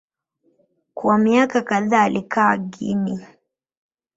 Kwa miaka kadhaa alikaa Guinea.